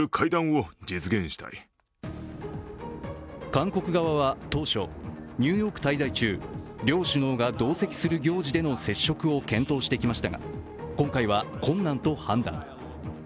韓国側は当初、ニューヨーク滞在中、両首脳が同席する行事での接触を検討してきましたが、今回は困難と判断。